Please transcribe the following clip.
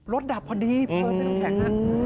รถดับพอดีเพิ่งไม่ต้องแข็ง